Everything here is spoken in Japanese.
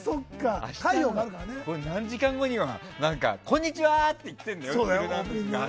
明日の何時間後にはこんにちは！って言ってるのよ